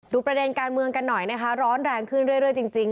ประเด็นการเมืองกันหน่อยนะคะร้อนแรงขึ้นเรื่อยจริง